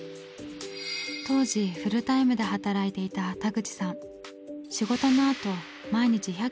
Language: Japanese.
当時フルタイムで働いていた田口さん。